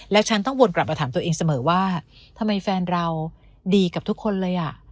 แล้วฉันต้องวนกลับมาถามตัวเองเสมอว่าทำไมแฟนเราดีกับทุกคนเลย